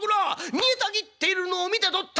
煮えたぎっているのを見てとった！